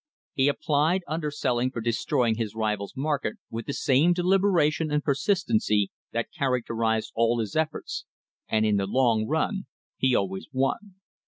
He applied underselling for destroying his rivals' mar ket with the same deliberation and persistency that character ised all his efforts , and in the long run he always won.